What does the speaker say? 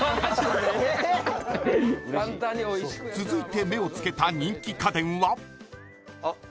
続いて目をつけた人気家電は。